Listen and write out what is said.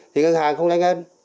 thì ngân hàng không nhanh hết